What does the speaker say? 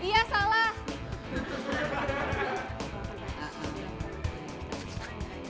jawab dulu dong